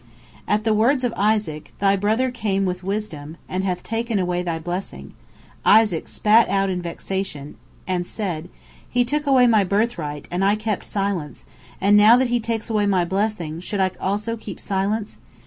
At the words of Isaac, "Thy brother came with wisdom, and hath taken away thy blessing," Esau spat out in vexation, and said, "He took away my birthright, and I kept silence, and now that he takes away my blessing, should I also keep silence?